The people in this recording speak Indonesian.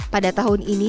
pada tahun ini